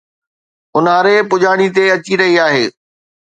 اونهاري پڄاڻي تي اچي رهي آهي